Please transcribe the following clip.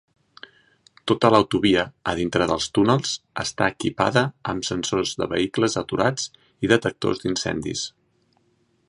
Tota l"autovia, a dintre dels túnels, està equipada amb sensors de vehicles aturats i detectors d"incendis.